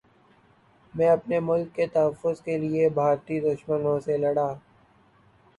میں اپنے ملک کے تحفظ کے لیے بھارتی دشمنوں سے لڑا